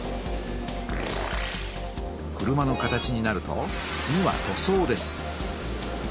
車の形になると次は塗装です。